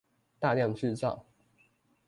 大量製造